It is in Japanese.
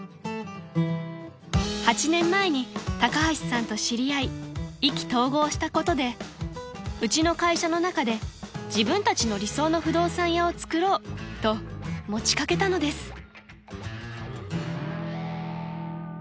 ［８年前に高橋さんと知り合い意気投合したことでうちの会社の中で自分たちの理想の不動産屋をつくろうと持ち掛けたのです］